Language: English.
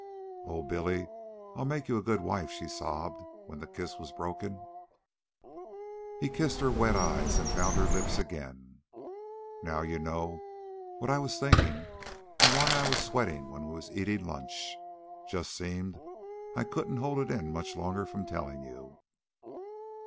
"Oh, Billy, I'll make you a good wife," she sobbed, when the kiss was broken. He kissed her wet eyes and found her lips again. "Now you know what I was thinkin' and why I was sweatin' when we was eatin' lunch. Just seemed I couldn't hold in much longer from tellin' you.